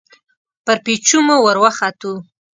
پر پېچومو ور وختو.